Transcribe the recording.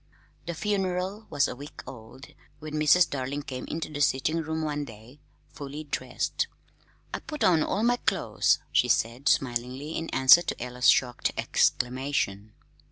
The "funeral" was a week old when Mrs. Darling came into the sitting room one day, fully dressed. "I put on all my clo's," she said smilingly, in answer to Ella's shocked exclamation.